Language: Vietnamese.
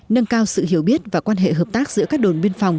nâng cao sự hiểu biết và quan hệ hợp tác giữa các đồn biên phòng